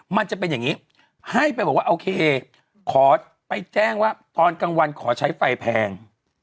มันจะเป็นอย่างนี้ให้ไปบอกว่าโอเคขอไปแจ้งว่าตอนกลางวันขอใช้ไฟแพง